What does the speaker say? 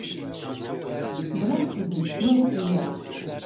Tebɣiḍ ad tbeddel teswiɛt fell-ak?